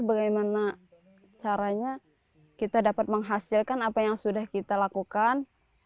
bagaimana caranya kita dapat menghasilkan apa yang sudah kita lakukan